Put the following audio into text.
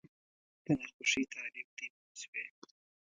د ناخوښۍ تعریف دی پوه شوې!.